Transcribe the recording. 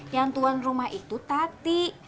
yang tuan rumah itu tati